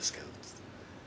って。